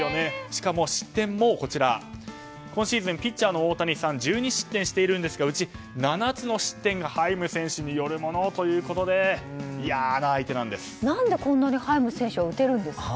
しかも失点も今シーズンピッチャーの大谷さん１２失点しているんですがうち７つの失点がハイム選手によるものということで何で、こんなにハイム選手は打てるんですか